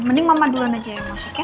mending mama duluan aja yang masuk ya